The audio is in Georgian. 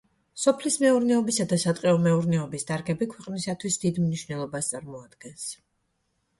სოფლის მეურნეობისა და სატყეო მეურნეობის დარგები ქვეყნისთვის დიდ მნიშვნელობას წარმოადგენს.